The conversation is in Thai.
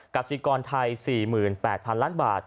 สิกรไทย๔๘๐๐๐ล้านบาท